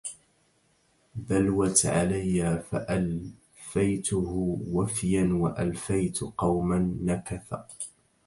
بلوت عليا فألفيته وفيا وألفيت قوما نكث